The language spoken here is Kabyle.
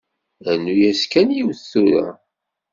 Rnu-yas kan yiwet tura.